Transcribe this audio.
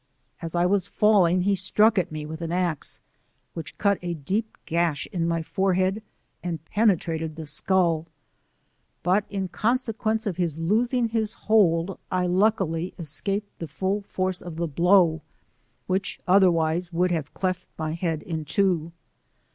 As 1 was falling, he struck at me with an axe, which cwt a deep gash in my forehead, and penetrated the skull, but in conse quence of his losing his hold, 1 luickily escaped the full force of the blow; which, otherwise, would have cleft my head in two.